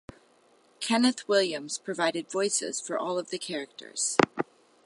Kenneth Williams provided voices for all of the characters.